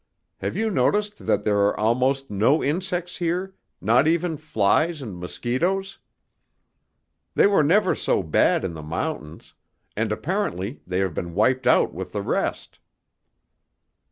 Have you noticed that there are almost no insects here, not even flies and mosquitoes? They were never so bad in the mountains, and apparently they have been wiped out with the rest."